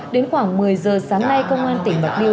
đến khoảng một mươi giờ sáng nay công an tỉnh bạc liêu